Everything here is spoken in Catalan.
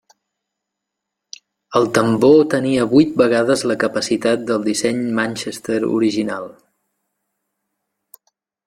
El tambor tenia vuit vegades la capacitat del disseny Manchester original.